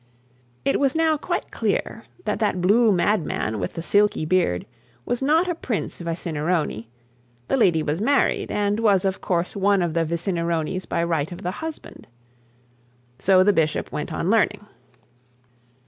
It was now quite clear that that blue madman with the silky beard was not a Prince Vicinironi. The lady was married, and was of course one of the Vicinironis by right of the husband. So the bishop went on learning.